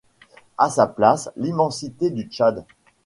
À sa place l’immensité du Tchad!